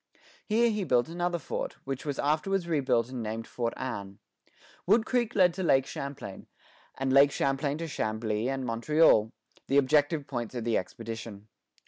Here he built another fort, which was afterwards rebuilt and named Fort Anne. Wood Creek led to Lake Champlain, and Lake Champlain to Chambly and Montreal, the objective points of the expedition.